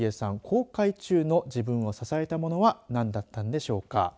航海中の自分を支えたものは何だったんでしょうか。